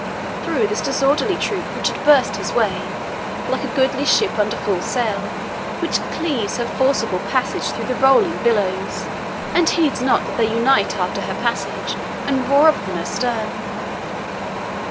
Through this disorderly troop Richard burst his way, like a goodly ship under full sail, which cleaves her forcible passage through the rolling billows, and heeds not that they unite after her passage and roar upon her stern.